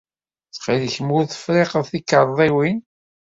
Ttxil-k ma ur-tefriqeḍ tikarḍiwin.